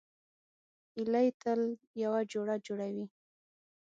هیلۍ تل یو جوړه جوړوي